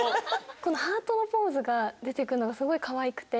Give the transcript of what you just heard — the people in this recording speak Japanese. このハートのポーズが出て来るのがすごいかわいくて。